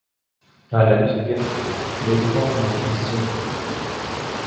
Al año siguiente, "They call my Mr.